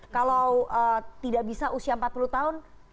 kalau tidak bisa usia empat puluh tahun